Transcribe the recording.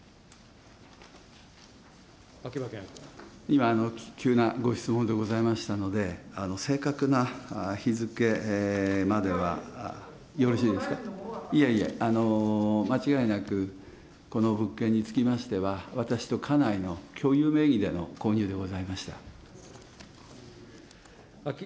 今、急なご質問でございますので、正確な日付までは、よろしいですか、いやいや、間違いなく、この物件につきましては、私と家内の共有名義での購入でございました。